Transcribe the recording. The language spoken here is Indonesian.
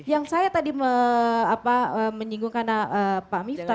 yang saya tadi menyinggungkan pak miftar